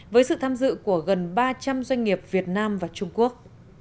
với sự tham dự của gần ba trăm linh doanh nghiệp việt nam và trung quốc